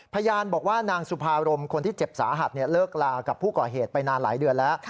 พยานบอกว่านางสุภารมคนที่เจ็บสาหัสเลิกลากับผู้ก่อเหตุไปนานหลายเดือนแล้ว